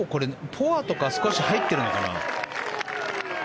ポアとか少し入っているかな。